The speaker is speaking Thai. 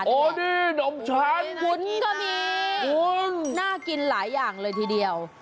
โอ้นี่นมชั้นขุนก็มีน่ากินหลายอย่างเลยทีเดียว